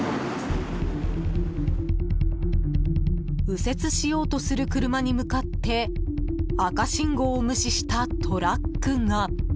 右折しようとする車に向かって赤信号を無視したトラックが。